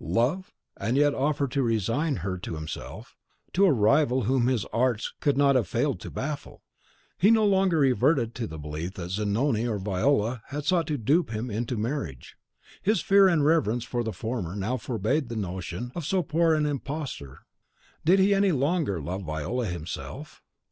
Love, and yet offer to resign her to himself, to a rival whom his arts could not have failed to baffle. He no longer reverted to the belief that Zanoni or Viola had sought to dupe him into marriage. His fear and reverence for the former now forbade the notion of so poor an imposture. Did he any longer love Viola himself?